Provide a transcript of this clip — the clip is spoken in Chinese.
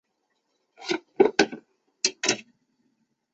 此站往新设洞方向的月台与君子车辆基地设有通道连结。